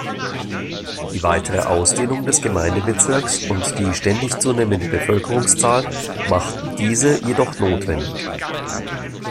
Die weitere Ausdehnung des Gemeindebezirks und die ständig zunehmende Bevölkerungszahl machten diese jedoch notwendig.